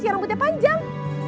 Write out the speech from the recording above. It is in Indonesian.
ya rambutnya panjang